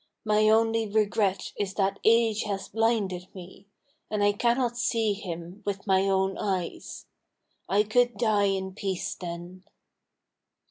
My only regret is that age has blinded me, and I cannot see him with my own eyes. I could die in peace then!"